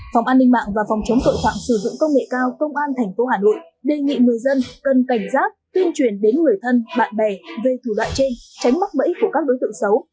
phòng an ninh mạng và phòng chống tội phạm sử dụng công nghệ cao công an tp hà nội đề nghị người dân cần cảnh giác tuyên truyền đến người thân bạn bè về thủ đoạn trên tránh mắc bẫy của các đối tượng xấu